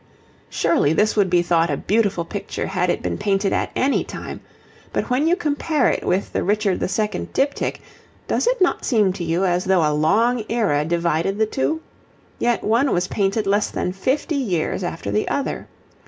Surely this would be thought a beautiful picture had it been painted at any time, but when you compare it with the Richard II. diptych does it not seem to you as though a long era divided the two? Yet one was painted less than fifty years after the other.